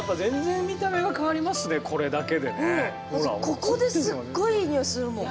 ここですっごいいい匂いするもん。